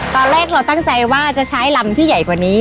ตอนแรกเราตั้งใจว่าจะใช้ลำที่ใหญ่กว่านี้